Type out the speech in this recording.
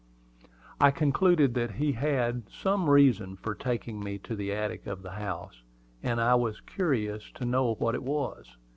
I concluded that he had some reason for taking me to the attic of the house, and I was curious to know what it was.